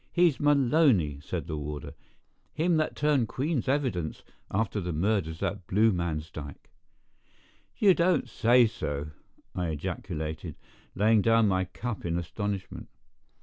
"He's Maloney," said the warder, "him that turned Queen's evidence after the murders at Bluemansdyke." "You don't say so?" I ejaculated, laying down my cup in astonishment.